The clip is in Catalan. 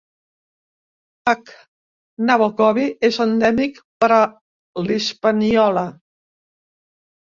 "H. nabokovi" és endèmic per a la Hispaniola.